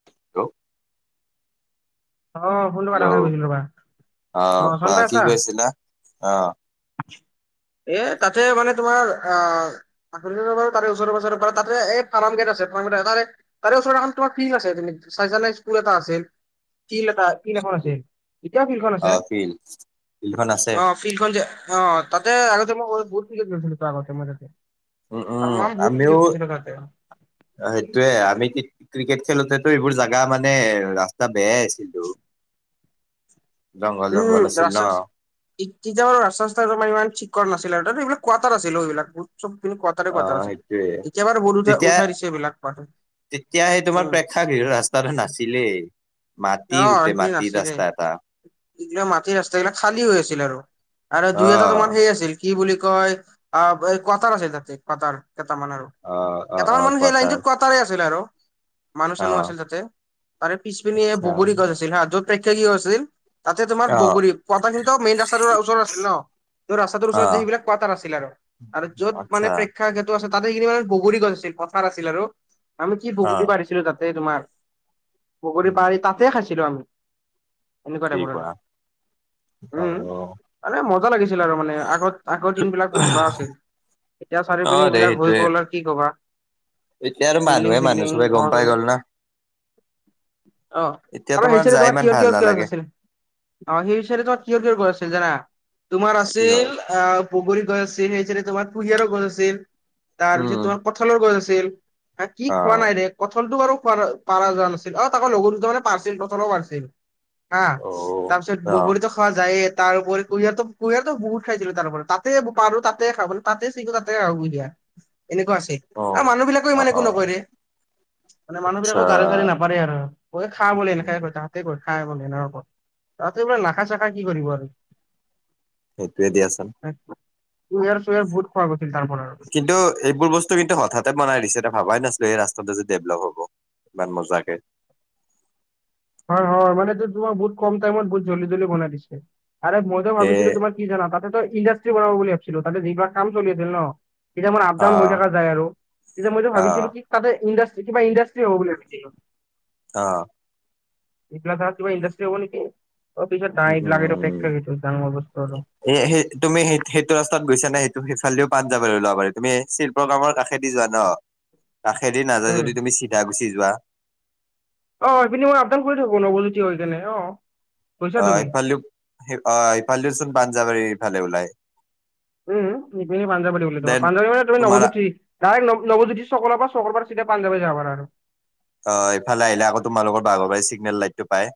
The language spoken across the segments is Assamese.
হেল্ল! অ ফোনটো কাতাখাই হেল্ল' গৈছিল ৰবা! অ চন কোৱা পাই কি আছা? কৈছিলা? অ এ তাতে মানে তোমাৰ আ চাকৰি বাবে তাৰে ওচৰে পাজৰে পৰা তাতে এই ফাৰ্ম গেট আছে ফাৰ্ম গেট তাৰে তাৰে ওচৰত এখন তোমাৰ ফিল্ড আছে তেনেকে, চাইছা নাই স্কুল এটা আছিল? ফিল্ড এটা ফিল্ড এখন আছিল, এতিয়াও ফিলখন অ আছে ফিল ফিল্ডখন আছে অ। ফিল্ডখনযে অ তাতে আগতে মই বহুত ফিলত গৈছিলো তাৰ আগতে মই তাতে। উম উম তামাম বহুত ক্ৰিকেট আমিও খেলিছিলোঁ তাতে। অ সেইটোয়ে, আমি ক্ৰি ক্ৰিকেট খেলোতেতো এইবোৰ জাগা মানে ৰাস তা বেছ এইটো। উম ৰাচাচ তি তিতিয়া বাৰো ৰাস্তা চাস্তা তোমাৰ ইমান ঠিক কৰা নাছিলে আৰু তাতে এইবিলাক কোৱাটাৰ আছিল অ এইবিলাক বো চপপিনে কোৱাটাৰে অ কোৱাটাৰ আছিল সেইটোয়ে এতিয়া বাৰু বহুতে উঠা তেতিয়া উঠাই দিছে এইবিলাক কোৱাটাৰ। তেতিয়া সেই উম। তোমাৰ প্ৰেক্ষাগৃহৰ ৰাস্তাটোৰ নাছিলেই। মাটি গোটেই মাটি ৰাস্তা এটা। এইগিলাক মাটিৰ ৰাস্তাগিলাক খালী হৈ আছিল আৰু অ দুই - এটা তোমাৰ সেই কি আছিল কি বুলি কয় অ এই কোৱাটাৰ আছিল তাতে কোৱাটাৰ কেইটামান আৰু। অ অ অ কেইটামান মানে সেই কোৱাটাৰ লাইনটোত কোৱাটাৰে আছিলে আৰু। মানুহ - অ চানুহ আছিল তাতে, তাৰে পিছপিনে আচ্ছা বগৰী গছ আছিল হা য'ত প্ৰেক্ষাগৃহ আছিল তাতে তোমাৰ অ বগৰী, কোৱাটাৰ কিন্তু মেইন ৰাস্তাটোৰ ওচৰত আছিল ন? যৰ ৰাস্তাটো অ ওচৰত যে সেইবিলাক কোৱাটাৰ আছিল আৰু য'ত মানে আচ্ছা প্ৰেক্ষাগৃ তো আছে তাতে কিনি মানে বগৰী গছ আছিল পথাৰ আছিল আৰু আমি কি অ বগৰী পাৰিছিলোঁ তাতে তোমাৰ বগৰী পাৰী তাতে খাইছিলোঁ আমি এনেকুৱা টাইপৰ আৰু। আ উম মানে মজা লাগিছিল আৰু মানে আগত আগৰ দিনবিলাক মজা আছিল। এতিয়া অ চাৰিওপিনে দে এইবিলাক হৈ সেইটোৱে গল আৰু কি কবা? এতিয়া আৰু বিল্ডিং মানুহে - মানুহ চিল্ডিং চবে গম ঘৰ পাই বনাই গ'ল না অ এতিয়া আমাৰ হেইচাইতে যাই তোমাৰ ইমান কিহৰ ভাল কিহৰ কিয় নালাগে আছিল? অ সেই চাইডে তোমাৰ কিহৰ কিহৰ ঘৰ আছিল জানা? তোমাৰ কি আছিল হ'ল আ বুগৰী গছ আছিল, সেই চাইডে তোমাৰ কুহিয়াৰ গছ আছিল, তাৰপিছত উম তোমাৰ কঁঠালৰ গছ আছিল হে কি অ খোৱা নাই ৰে? কঁঠালটো বাৰু খোৱা, পাৰা যোৱা নাছিল আৰু তাকো, লগৰ দুজনে পাৰিছিল, কঁঠালো পাৰিছিল। অ তাৰপিছত, অ বগৰীটো খোৱা যায়ে। তাৰোপৰি, কুঁহিয়াৰটো, কুঁহিয়াৰটো বহুত খাইছিলোঁ, তাৰপৰা। তাতে পাৰোঁ, তাতে খাওঁ। তাতে চিকলা তাতে আৰু বুই দিয়া। এনেকুৱা আছে অ আৰু মানু বিলাকো অ ইমান অ একো নকয় ৰে মানে আচ্ছা মানুহবিলাকৰ গাৰে চাৰে নাপ পাৰে আৰু কয় খা বোলে এনেকাই কয় তাহাঁতে কয় খা বলে এনেকাই কয়। তহঁতে, এইবিলাক নাখাই -চাখাই কি, কৰিব আৰু? সেইটোয়ে দিয়াচোন কুঁহিয়াৰ- চুহিঁয়াৰ বহুত খোৱা হৈছিল তাৰপৰা আৰু। কিন্তু, এইবোৰ বস্তু কিন্তু, হঠাতে বনাই দিছে। এ, ভাবাই নাছিলোঁ! এই ৰাস্তাটো যে ডেভলপ হ'ব। ইমান মজাকে! হয়, হয়। মানে, তোমাৰ বহুত কম টাইমত, বহুত জল্দি, জল্দি বনাই দিছে আৰু মইতো তে ভাবিছিলোঁ তোমাৰ কি জানা! তাতেতো ইণ্ডাষ্ট্ৰি বনাব বুলি ভাবিছিলোঁ। তাতে, [unintelligible] কাম চলি আছিল ন'! তেতিয়া মোৰ আপ- অ ডাউন হৈ থাকা যায় আৰু। তেতিয়া, মইতো অ ভাবিছিলোঁ কি, তাতে, ইণ্ডাষ্ট্ৰী, কিবা ইণ্ডাষ্ট্ৰী হ'ব বুলি ভাবিছিলোঁ! অ'! এইবিলাক, আঁ কিবা ইণ্ডাষ্ট্ৰী হ'ব নেকি? ত' পিছত, উম তাৰ এইবিলাক, এইটো উম ফেক্টৰী ডাঙৰ বস্তু আৰু। এ, সেই তুমি, সেই, সেইটো ৰাস্তাত গৈছা নাই? সেইটো, সেইফালেও বাট যাব, ওলাব পাৰে। তুমি [unintelligible] কাষেদি যোৱা ন'? কাষেদি নাযায় উম। যদি, তুমি চিধা গুচি যোৱা। অ'! এইপিনে মই, আপ -ডাউন কৰি থাকোঁ। নৱজ্যোতি হৈ কিনে, অ'! গৈছা অ'! তুমি সেইফালে দিওঁ, অ'! সেইফালেও চোন পাঞ্জাৱাৰী ফালে ওলাই। উম! ইপিনে পঞ্জাপতি বোলে, তোমাক। দেন পাঞ্জাবাৰী মানে, তুমি তোমাৰ নবজ্যোতি? ডাইৰেক্ট নৱজ্যোতি চকলৰ পৰা, চকৰবাৰী চিধে‌ পাঞ্জাবাৰী যাব আৰু। অ'! এইফালে আহিলে আকৌ, তোমালোকৰ বাগৰবাৰী‌ চিগনেল লাইটটো পায়।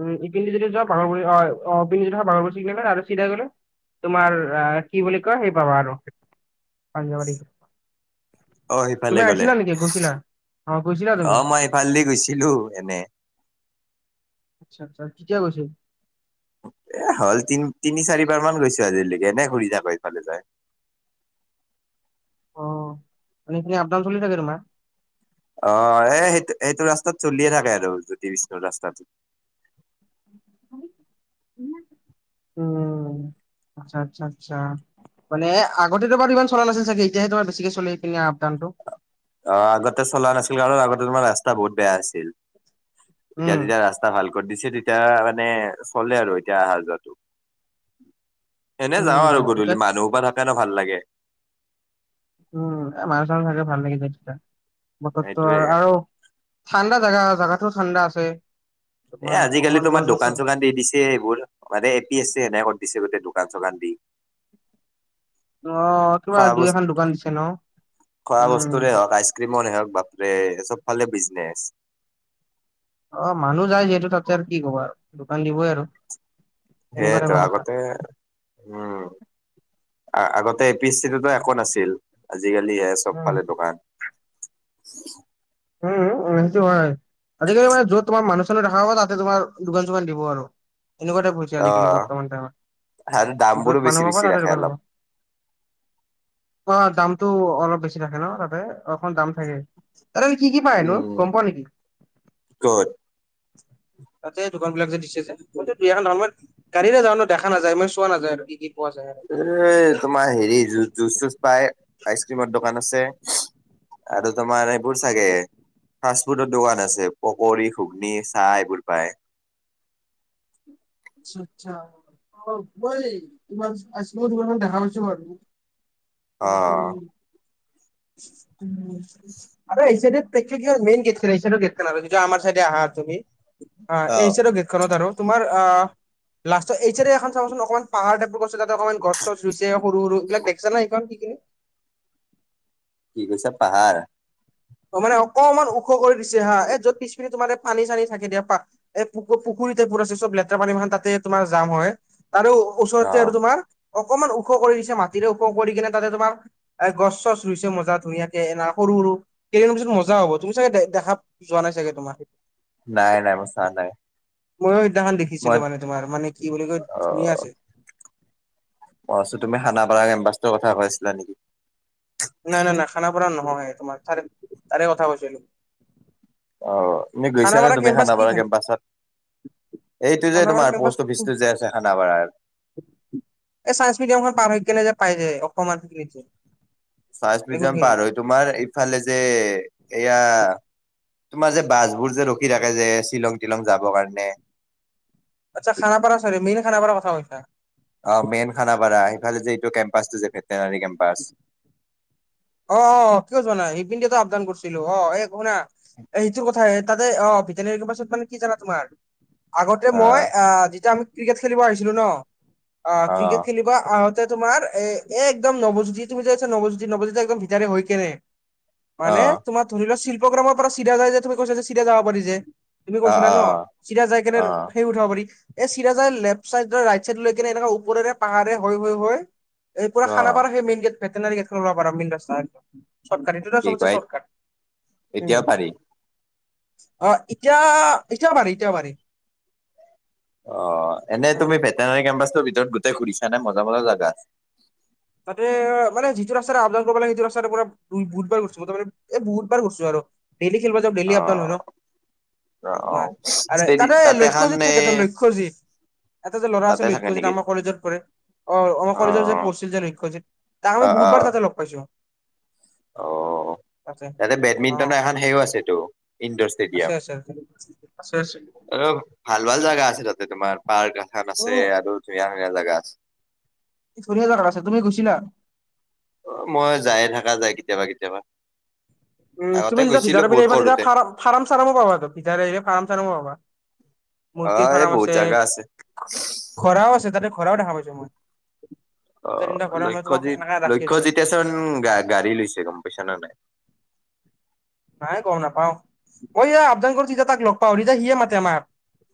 উম! ইপিনে যদি যোৱা, [unintelligible] অ'! চিগনেল আৰু চিধা গ'লে। তোমাৰ, আঁ কি বুলি কয়? সেই, পাবা আৰু পাঞ্জাবাৰী। অ সিফালে তুমি গ'লে আহিছিলা নেকি? গৈছিলা? অ'! গৈছিলা তুমি? সেইফালেদি গৈছিলোঁ এনে। আচ্ছা! আচ্ছা! কেতিয়া গৈছিল? এ, হ'ল! তিন, তিনি, চাৰিবাৰ মান গৈছোঁ আজিলৈকে। এনে ঘূৰি যাওঁ সেইফালে যায়। সেইখিনিয়ে, আপ -ডাউন চলি থাকে তোমাৰ? অ'! এ, সেইটো, সেইটো ৰাস্তাত চলিয়ে থাকে আৰু জ্যোতি বিষ্ণুৰ ৰাস্তাত। উম! আচ্ছা, আচ্ছা, আচ্ছা! মানে, আগতেটো বাৰু ইমান চলা নাছিল চাগে! এতিয়াহে, তোমাৰ বেছিকে চলে। এইপিনে আপ- ডাউনটো? অ'! আগতে চলা নাছিল। কাৰণ, আগতে তোমাৰ, ৰাস্তা বহুত বেয়া আছিল। এতিয়া, উম তেতিয়া ৰাস্ত ৰাস্তা ভাল কৰি দিছে। তেতিয়া মানে, চলে আৰু এতিয়া, অহা যোৱাটো। এনে যাওঁ উম আৰু এতিয়া গধূলি। মানুহ সোপা থাকে ন' ভাল লাগে! উম! মানুহ চানুহ থাকে, ভাল লাগি যায় তেতিয়া। বতৰটো সেইটোয়ে আৰু ঠাণ্ডা জাগা, জাগাতো ঠাণ্ডা আছে। এ, তোমাৰ আজিকালি অকমান তোমাৰ, গছ গছ দোকান -চোকান দি দিছে। [unintelligible] মানে, এ পি এছ চি সেনেকে দিছে বোলে, দোকান- চোকান দি। অ'! কিবা খোৱা দুই, বস্তু এখন দোকান দিছে ন'? উম! হে বাপৰে! চব ফালে বিজনেছ। অ'! মানুহ যায়। যিহেতু, তাতে আৰু কি ক'বা আৰু দোকান দিবই আৰু। তেনেকুৱা সেইয়াইটো! টাইপৰ কথা। আগতে উম! আগতে, এ পি এছ চি টো একো নাছিল। আজিকালি এ, উম, চবফালে দোকান। উম! সেইটো হয়। আজিকালি মানে, য'ত তোমাৰ, মানুহ- চানুহ দেখা পোৱা, তাতে তোমাৰ, দোকান- চোকান দিব আৰু। এনেকুৱা টাইপ হৈছে, অ আজিকালি বৰ্তমান আৰু দাম টাইমত। য'ত বোৰো বেছি মানুহ হ'ব, বেছি তাতে ৰাখে দোকান হ'ব। অলপ। অ'! দামটো অলপ বেছি থাকে ন' তাতে? অকন দাম থাকে! তাতেনো, কি কি পায়নো, উম গম পোৱা নেকি? ক'ত তাতে দোকান বিলাক, যে দিছে যে। কিন্তু, দুই, এখন নৰ্মেল। গাড়ী ৰে যাওঁ ন দেখা নাযায় মানে চোৱা নাযায় আৰু কি কি পোৱা যায়। এ তোমাৰ হেৰি জুচ চুজ পাই আইচ ক্ৰীমৰ দোকান আছে। আৰু তোমাৰ, এইবোৰ চাগে ফাষ্ট ফুডৰ দোকান আছে। পকৰী, ঘুগনি, চাহ এইবোৰ পায়। আচ্ছা আচ্ছা মই তোমাৰ আইচক্ৰীম দোকানত দেখা পাইছো বাৰু অ আৰু এইচাইদে বিশেষকৈ মেইন গেট খন এই চাইদৰ গেট খন আৰু যিটো আমাৰ চাইডে আহা তুমি অ এইচাইদৰ গেটখনত আৰু তোমাৰ অ লাষ্টত এইচাইদে এখন চাবাচোন অকমান পাহাৰ টাইপোৰ গছ তাতে অকণমান গছ চছৰুইছে সৰু সৰু এইবিলাক দেখছা না সেইকণ কি কিনো? কি কৈছা পাহাৰ। ত মানে অকমান ওখ কৰি দিছে হা এ যত পিছ পিনি তোমাৰ পানী চানী থাকে দিয়া পাক। এই পু পুখুৰীতে পুৰ আছে চব লেতেৰা পানী মানে তাতে তোমাৰ জাম হয় আৰু। অ ওচৰতে আৰু তোমাৰ অকনমান ওখ কৰি দিছে মাটিৰে ওখ কৰি কিনে তাতে তোমাৰ। এ গছ চছ ৰুইছে মজা ধুনীয়াকে এ সৰু সৰু। কেইদিন মানৰ পিছত মজা হব তুমি চাগে দেখা যোৱা নাই চাগে তোৰ সেইটো। নাই নাই মই চাহান নাই ময়ো সেইদিনাখন মই দেখিছিলোঁ মানে তোমাৰ মানে কি বুলি কয় অ ধুনীয়া আছে। অ তুমি খানাপাৰা কেম্পাছটোৰ কথা কৈছিলা নেকি। নাই নাই নাই খানাপাৰ নহয় তোমাৰ তাৰে তাৰে কথা কৈছিলোঁ। অ ইনেই গৈছানে খানাপাৰা তুমি কেম্পাছ কি খানাপাৰা খান কেম্পাছত? এইটো যে খানাপাৰা তোমাৰ কেম্পাছ পষ্ট অফিচটো যে আছে খানাপাৰাৰ। এই চাইন্স মিডিয়ামখন পাৰ হৈ কেনে যে পাই যায় অসমমান সেইখিনিত যে, চাইন্স মিউজিয়াম বেগুনখিনি পাৰ হয় তোমাৰ ইফালে যে এয়া। তোমাৰ যে বাছবোৰ যে ৰখি থাকে যে শ্বিলং তিলং যাবৰ কাৰণে। আচ্ছা খানাপাৰা চাৰি মেইন খানাপাৰ কথা কৈছা। অ মেইন খানাপাৰা সেইফালে যে এইটো কেম্পাচটো যে ভেটেনাৰী কেম্পাচ। অ অ কিয় যোৱানাই এইপিনে দিনটো আপদান কৰিছিলোঁ অ এ শুনা। সেইটো কথাই তাতে অ ভেটেনেৰী কেম্পাছত মানে কি জানা তোমাৰ। আগতে মই অ যেতিয়া আমি ক্ৰিকেট খেলিব আহিছিলো ন অ ক্ৰিকেট খেলিব। তোমাৰ এ এ একদম নৱজ্যোতি তুমি যেছা নৱজ্যোতি নৱজ্যোতি একদম ভিতাৰে হয় কেনে। অ মানে তোমাৰ ধৰি লোৱা শিল্পগ্ৰামৰ পৰা চিধা যায় যে তুমি কৈছা যে চিধা যাব পাৰি যে। তুমি অ অ কৈছিলা ন চিধা যাই কেনে অ অ সেই। যাব পাৰি এই চিধাজাই লেফ্ট চাইড ৰাইট চাইড লৈ কেনে এনেকুৱা ওপৰেৰে পাহাৰে হয় হৈ হৈ হৈ, এই পুৰা অ খানা পাৰা সেই মেইন গেট ভেটেনাৰী গেটখন ওলাব পাৰা আৰু মেন ৰাস্তাই চৰ্ত কাটিং। সেইটো কি চবতছে কয় চৰ্টকাট উম। এতিয়াও পাৰি অ এতিয়া এতিয়াও পাৰি এতিয়াও পাৰি। অ এনে অ তুমি ভেটেনোৰী কেম্পাছটোৰ ভিতৰত গোটেই ঘূৰিচা নে মজা মজা জেগা আছে। তাতে অ মানে যিটো ৰাস্তাৰে আবদান কৰিব লাগে সেইটো ৰাস্তাৰে পৰা। বহুত বাৰ গৈছোঁ আৰু ডেইলি খেলিব যাওঁ ডেইলি অ আপ ডাউন হয় ন। অ অ তোমাৰ আৰু ষ্টেডি তাতে এখন লক্ষ্যজিৎ এ থাকে তো লক্ষ্যজিৎ। এটা যে ল'ৰা তাতে আছিল থাকে লক্ষ্যজিত‌ নেকি আমাৰ কলেজত পৰে অ আমাৰ কলেজত যে পঢ়ছিল যে লক্ষ্য লক্ষ্যজিত তাক আমি অ অ বহুতবাৰ তাতে লগ পাইছোঁ। অ তাতে অ', বেডমিণ্টনৰ এখন সেও আছেতো। ইনডোৰ আছে ষ্টেডিয়াম আছে আছে আছে। আৰু ভাল ভাল জাগা আছে তাতে তোমাৰ পাৰ্ক এখন আছে উম, আৰু ধুনীয়া ধুনীয়া জাগা আছে। ধুনীয়া জাগাত আছে তুমি গৈছিলা? অ মই যায়ে থকা যায় কেতিয়াবা কেতিয়াবা। উম আগতে তুমি যেতিয়া গৈছিলো ভিতৰত পিনে বহুত আহিবা সৰুতে তেতিয়া ফাৰাম চাৰামো পাবা ভিতৰে আহিলে ফাৰাম চাৰাম পাবা। অ মুৰ্গীৰ এই ফাৰ্ম বহুত আছে জাগা ঘোঁৰাও আছে তাতে ঘোঁৰাও দেখা পাইছো মই। অ দুটা তিনিটা ঘোঁৰা মানে তোমাক লক্ষ্যজিত এনেকা ৰাখি আছে। লক্ষ্যজিতেচোন গা গাড়ী লৈছে গম পাইছা নে নাই? নাই গম নাপাওঁ। ঐয়া আপোনালোকৰ য়েতিয়া তাক লগ পাওঁ, তেতিয়া সিয়ে মাতে আমাক।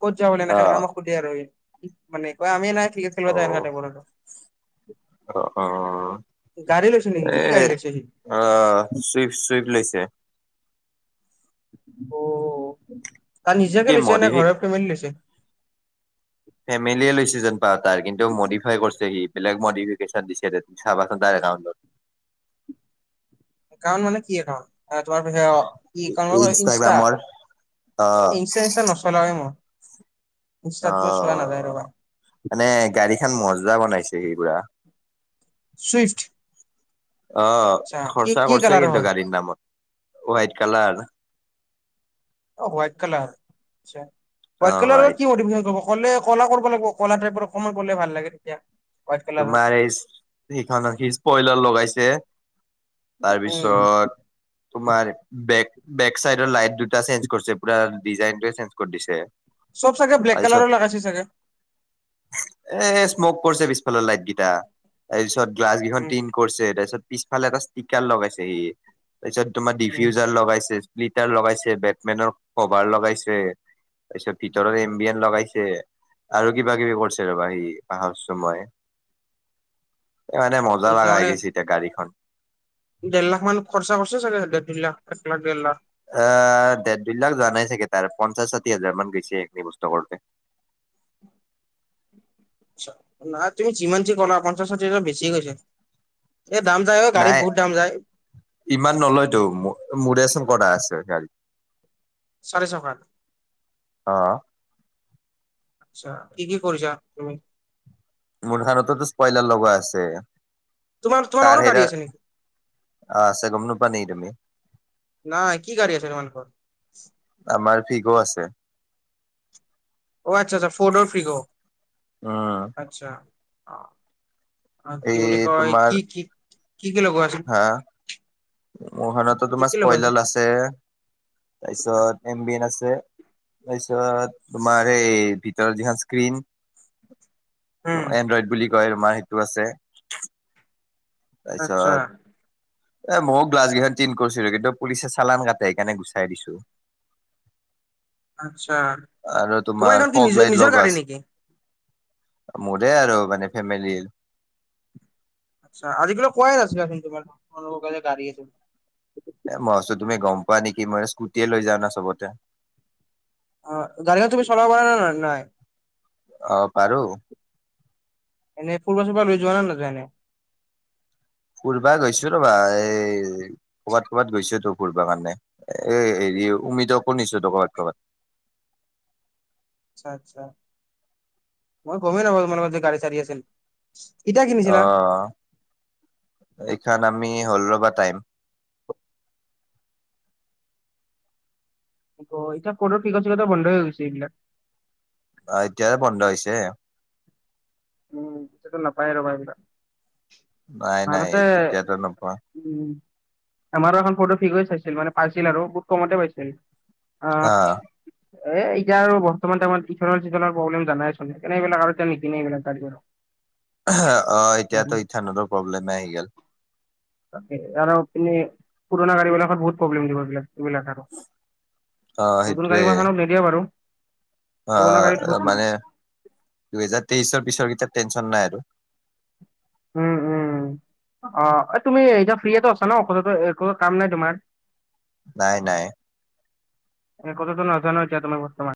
ক'ত যাৱ বুলি অ এনেকে, এনেকে আমাক সুধে আৰু সি। মানে আমি [unintelligible] সেইবোৰ দেখা তাইপৰ আৰু। অ অ অ। গাড়ী লৈছে নেকি? কি গাড়ী লৈছে? অ' চুইফ্ট। চুইফ্ট লৈছে। অ', তাৰ কি নিজাকে লৈছে নে মডিফিক ঘৰৰ ফেমিলি লৈছে। ফেমিলিয়ে লৈছে যেন পাওঁ তাৰ কিন্তু মডিফাই কৰিছে সি, বেলেগ মডিফিকেশ্যন দিছে তাত চাবাচোন তাৰ একাউণ্টত। একাউণ্ট মানে কি একাউণ্ট, তোমাৰ পিছ কি ক [unintelligible] ইনষ্টা, ইনষ্টাগ্ৰামৰ অ এ ইনষ্টা চিনষ্টা নচলাওঁ এ মই। ইনষ্টাত মই চোৱা নাযায় অ', ৰবা মানে গাড়ী খান মজা বনাইছে সি পুৰা। ছুইফট। অ', খৰচা কৰিছে কালাৰৰ কিন্তু হয় গাড়ীৰ নামত, হোৱাইট কালাৰ। অ', হোৱাইট কালাৰ, আচ্ছা, হোৱাইট কালাৰৰ কি মডিফিকেশ্বন [unintelligible] ক'লে কলা কৰিব লাগিব, কলা টাইপৰ [unintelligible] ভাল লাগে তেতিয়া। হোৱাইট কালাৰৰ তোমাৰ এই সিখনত সি স্পইলাৰ লগাইছে। উম তাৰপিছত তোমাৰ বেক বেক চাইডৰ লাইট দুটা চেঞ্জ কৰিছে পুৰা ডিজাইনটোৱে চেঞ্জ কৰি দিছে। চব চাগে ব্লেক তাৰপিছত কালাৰৰ লগাইছে চাগে। এ স্মক কৰিছে পিছফালৰ লাইট গিটা, তাৰপিছত গ্লাছ কেইখন উম তিন কৰিছে, তাৰপিছত পিছফালে এটা স্পিকাৰ লগাইছে সি, তাৰ পিছত তোমাৰ উম ডিফিউজাৰ লগাইছে লিটাৰ লগাইছে, বেটমেনৰ কভাৰ লগাইছে। তাৰপিছত ভিতৰত এম বি এন লগাইছে, আৰু কিবা কিবি কৰিছে ৰ'বা সি পাহৰছো মই। এই মানে মজা লগা হৈ গৈছে এতিয়া গাড়ীখন। দেৰ লাখ মান খৰচা কৰিছে চাগে, দেৰ দুই লাখ এক লাখ দেৰ লাখ। এ দেৰ দুই লাখ যোৱা নাই চাগে তাৰ, পঞ্চাচ ষাঠি হাজাৰ মান গৈছে সেই বস্তু কৰোতে। আচ্ছা, নাই তুমি যিমান যি ক' লা, পঞ্চাচ ষাঠি হাজাৰ বেছি গৈছে। এই দাম যায় অ', গাড়ীত নাই বহুত দাম যায়। ইমান নলয়তো, মোৰ মোৰেচোন কৰা আছে গাড়ীত। চাৰি চকাৰ। অ' আচ্ছা, কি- কি কৰিছা তুমি। মোৰখনতটোতো স্পয়লাৰ লগোৱা আছে। তোমাৰ তোমালোকৰো তাৰ গাড়ী সেইটা, আছে নেকি? অ', আছে গম নোপোৱা নেকি তুমি। নহয়, কি গাড়ী আছে তোমালোকৰ। আমাৰ ফিগ' আছে। অ', আচ্ছা- আচ্ছা ফ'ৰ্ডৰ ফিগ', উম আচ্ছা, অ'। আৰু কি এই বুলি কয়, তোমাৰ কি-কি, কি-কি লগোৱা আছে। হা, মোৰ খনতটো কি তোমাৰ কি স্পয়লাৰ আছ [inaudible] তাৰপিছত এম বি এন আছে। তাৰপিছত তোমাৰ এই ভিতৰৰ যিখন স্ক্ৰীণ উম এনড্ৰইড বুলি কয় তোমাৰ সেইটো আছে। আচ্ছা। তাৰপিছত এ ময়ো গ্লাছকেইখন টিন কৰিছিলো কিন্তু পুলিচে চালান কাটে, সেইকাৰণে গুচাই দিছো। আচ্ছা, আৰু তোমাৰ এইখন কি ফগ লাইট নিজৰ-নিজৰ লগোৱা গাড়ী আছে নেকি। মোৰে আৰু মানে ফেমিলিৰ। আচ্ছা, আজিলেকে কোৱাই নাছিলাচোন তোমাৰ তোমালোকৰ যে গাড়ী আছে। এ মই ভাবিছো তুমি গম পোৱা নিকি মই স্কুটিয়ে লৈ যাওঁ না চবতে। অ', গাড়ীখন তুমি চলাব পাৰা নে নাই। অ', পাৰো। এনে ফুৰবা-চুৰবা লৈ যোৱা না নোযোৱা এনে? ফুৰবা গৈছো ৰবা এই ক'বাত ক'বাত গৈছো তো। ঘূৰবা কাৰণে, এ হেৰি উমিতকো নিছো ত কবাত-কবাত। আচ্ছা আচ্ছা মই গমেই নাপালোঁ তোমাৰ লগত যে গাড়ী-চাড়ী আছিল। সি এতিয়া কি? অ অ অ এইখন আমি হ'ল ৰবা টাইম। অ তো এতিয়া কোত পিকাপ-চিকাপ বন্ধ হৈ গৈছে এইবিলাক। অ এতিয়াহে বন্ধ হৈছে। উম উ উ এতিয়াতো নাপাই আৰু আমাৰ এইবিলাক। নাই নাই এতিয়াতো নোপোৱা। উ উ উ আমাৰো এখন ফটো ঠিক হৈ চাইছিল মানে পাইছিল আৰু বহুত কমতে পাইছিল। আ আ আ ছি অ' উ এ এতিয়া আৰু বৰ্তমান টাইমত ইথনেল-চিথনেল প্ৰব্লেম জানাই চোন সেইকাৰণে এইবিলাক আৰু এতিয়া নিকিনে এইবিলাক গাড়ী আৰু আহ অ এতিয়াতো ইথানলৰ প্ৰব্লেম নাই আহি গল। তাকে আৰু এনে পুৰণা গাড়ী বিলাকত বহুত প্ৰব্লেম দিব এইবিলাক। এইবিলাক আৰু অ' নতুন গাড়ী ম খানত নিদিয়া বাৰু। অ অ পুৰণা গাড়ীত অ বহুত দিব মানে দুহেজাৰ তেইশৰ পিছৰ কেইটা টেনচন নাই আৰু উম, উম উ উ। অ তুমি এতিয়া ফ্ৰীয়েটো আছা ন ঔষধো একো কাম নাই তোমাৰ। নাই নাই। এ কথাটো নাজানো এতিয়া তোমাৰ বৰ্তমান।